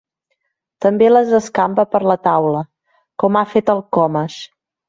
També les escampa per la taula, com ha fet el Comas.